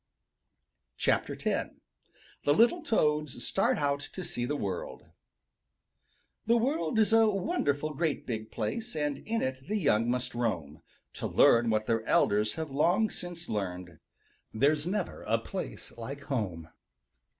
X THE LITTLE TOADS START OUT TO SEE THE WORLD The world is a wonderful great big place And in it the young must roam To learn what their elders have long since learned There's never a place like home.